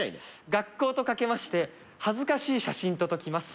学校と掛けまして恥ずかしい写真と解きます